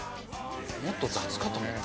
もっと雑かと思った。